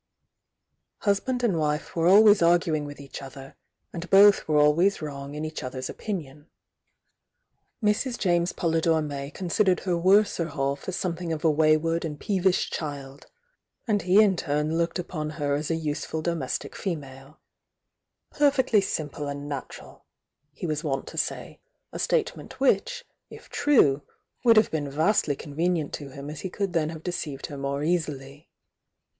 Husband and wife were always arguing with each other, and both were always wrong in each other's THE YOUNG DIANA 18 opinion. Mrs. James Polydore May considered her woreer half as something of a wayward and peevish child, and he m turn looked upon her as a useful domestic female— "perfectly simple and natural," he waa wont to say, a statement which, if true, would have been vastly convenient to him as he could then have deceived her more easily.